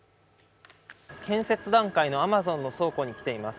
建設段階のＡｍａｚｏｎの倉庫に来ています。